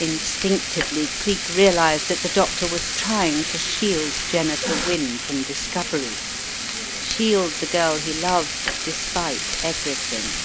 Instinctively Cleek realized that the doctor was trying to shield Jennifer Wynne from discovery, shield the girl he loved despite every thing.